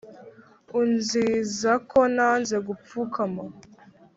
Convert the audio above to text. unziza ko nanze gupfukama